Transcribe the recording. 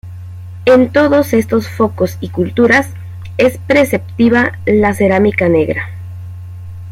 En todos estos focos y culturas es preceptiva la cerámica negra.